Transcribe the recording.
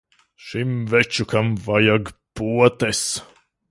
Šim večukam vajag potes.